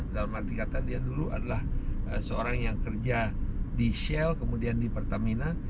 dalam arti kata dia dulu adalah seorang yang kerja di shell kemudian di pertamina